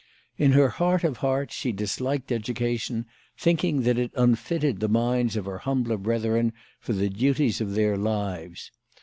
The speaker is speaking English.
In her heart of hearts she disliked education, thinking that it unfitted the minds of her humbler brethren for the duties of their lives.